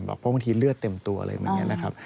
เพราะบางทีเลือดเต็มตัวอะไรแบบนี้นะครับ